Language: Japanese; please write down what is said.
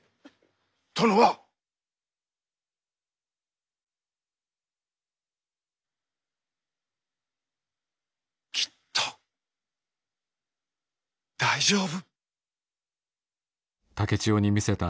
殿はきっと大丈夫。